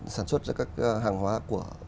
sản xuất các hàng hóa của